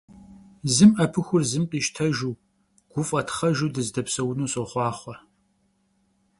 Zım 'epıxur zım khiştejju, guf'e txhejju dızedepseunu soxhuaxhue!